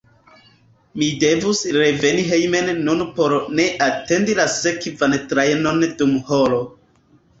Mi devus reveni hejmen nun por ne atendi la sekvan trajnon dum horo.